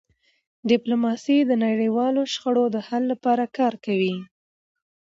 ډيپلوماسي د نړیوالو شخړو د حل لپاره کار کوي.